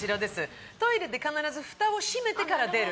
トイレで必ずふたを閉めてから出る。